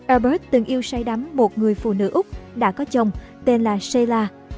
albert từng yêu say đắm một người phụ nữ úc đã có chồng tên là sheila